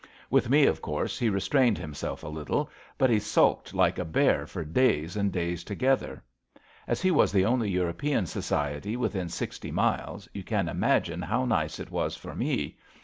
With me, of course, he restrained him self a little, but he sulked like a bear for days and days together. As he was the only European society within sixty miles, you can imagine how nice it was for me.